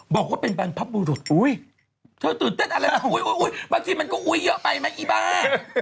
บอกว่าเป็นบรรพบุรุษเธอตื่นเต้นอะไรบางทีมันก็อุ๊ยเยอะไปไหมอีบ้า